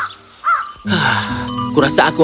aku rasa aku harus berhenti